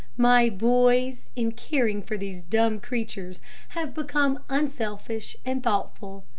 My boys, in caring for these dumb creatures, have become unselfish and thoughtful.